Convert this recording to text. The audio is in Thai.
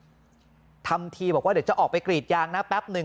บอกว่าเดี๋ยวจะออกไปกรีดยางนะแป๊บนึง